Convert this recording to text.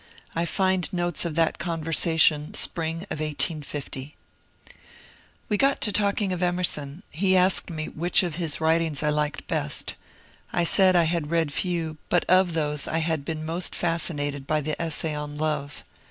I find notes of that conversation (spring of 1860) :— We got to talking of Emerson. He asked me which of his writings I liked best. I said I had read few, but of those I had been most fascinated by the Essay on Love.